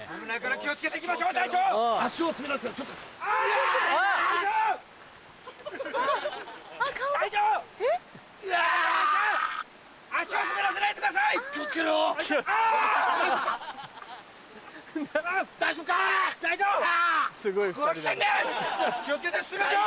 気を付けて進みましょう！